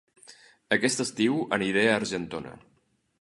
Aquest estiu aniré a Argentona